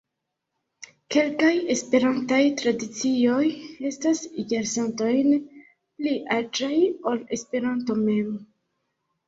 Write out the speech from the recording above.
Kelkaj Esperantaj tradicioj estas jarcentojn pli aĝaj ol Esperanto mem.